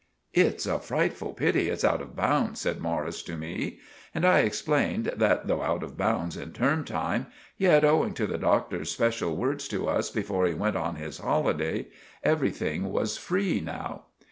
"It's a friteful pity it's out of bounds," said Morris to me, and I explained that, though out of bounds in term time, yet, owing to the Doctor's speshul words to us before he went on his holiday, every thing was free now.